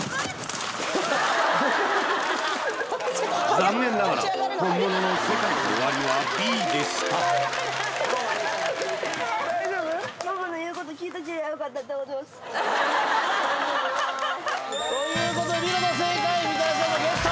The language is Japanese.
残念ながら本物のＳＥＫＡＩＮＯＯＷＡＲＩはＢでした大丈夫？ということで見事正解みたらし団子ゲット！